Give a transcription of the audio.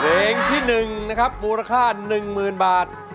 เพลงที่หนึ่งนะครับมูลค่าหนึ่งหมื่นบาท